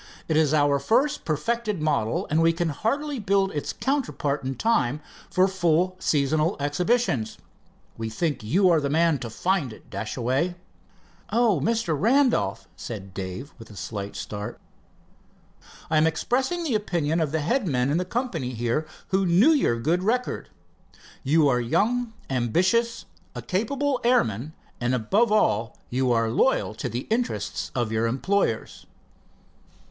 "It is our first perfected model, and we can hardly build its counterpart in time for full seasonal exhibitions. We think you are the man to find it, Dashaway." "Oh, Mr. Randolph," said Dave with a slight start. "I am expressing the opinion of the head men in the company here, who knew your good record. You are young, ambitious, a capable airman, and above all you are loyal to the interest of your employers."